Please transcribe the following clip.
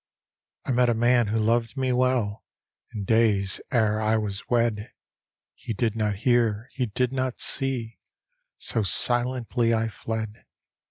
I met a man who loved me well In days ere I was wed, He did not hear, he did not see, So silently I fled.